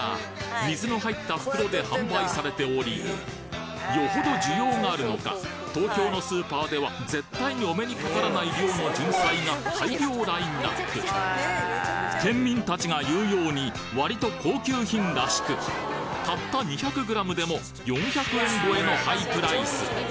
水の入った袋で販売されておりよほど需要があるのか東京のスーパーでは絶対にお目にかからない量のじゅんさいが大量ラインナップ県民達が言うように割と高級品らしくたった２００ｇでも４００円超えのハイプライス！